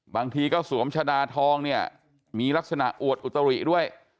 บางทีก็สวมชะดาทองเนี่ยมีลักษณะอวดอุตริด้วย